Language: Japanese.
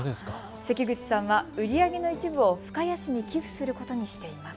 関口さんは売り上げの一部を深谷市に寄付することにしています。